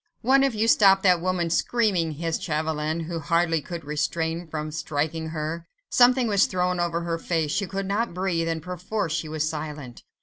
"One of you stop that woman screaming," hissed Chauvelin, who hardly could refrain from striking her. Something was thrown over her face; she could not breathe, and perforce she was silent.